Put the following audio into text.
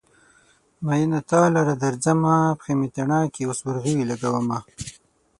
مينه تا لره درځمه : پښې مې تڼاکې اوس ورغوي لګومه